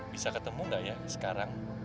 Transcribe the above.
bisa ketemu nggak ya sekarang